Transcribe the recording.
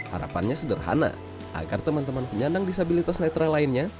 harapannya sederhana agar teman teman penyandang disabilitas netra lainnya